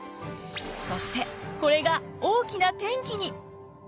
そしてこれが大きな転機に！